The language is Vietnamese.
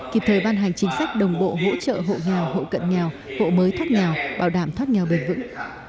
kịp thời ban hành chính sách đồng bộ hỗ trợ hộ nghèo hộ cận nghèo hộ mới thoát nghèo bảo đảm thoát nghèo bền vững